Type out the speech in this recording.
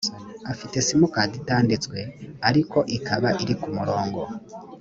afite simukadi itanditswe ariko ikaba iri ku murongo